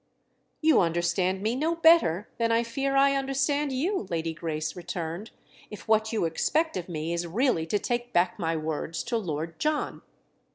"You understand me no better than I fear I understand you," Lady Grace returned, "if what you expect of me is really to take back my words to Lord John."